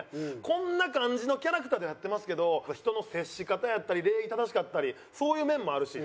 こんな感じのキャラクターでやってますけど人の接し方やったり礼儀正しかったりそういう面もあるし。